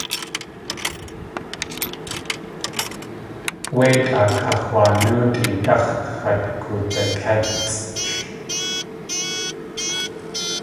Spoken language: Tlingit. Wéitʼaa kax̲waanóotʼidáx̲ x̲at koodakétsʼch.